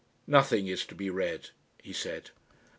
"Nothing is to be read," he said.